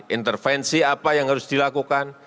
intervensi apa yang harus dilakukan